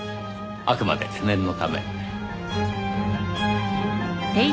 あくまで念のため。